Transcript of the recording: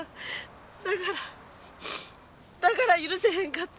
だからだから許せへんかった。